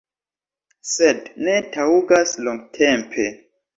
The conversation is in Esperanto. Sed ne taŭgas longtempe.